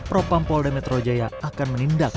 propam polda metro jaya akan menindak